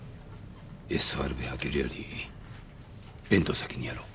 ＳＲ弁開けるよりベントを先にやろう。